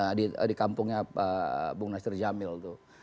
nah di kampungnya bung nasir jamil tuh